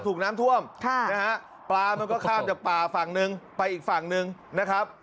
ถูกน้ำท่วมค่ะนะฮะปลามันก็ข้ามจากป่าฝั่งหนึ่งไปอีกฝั่งหนึ่งนะครับ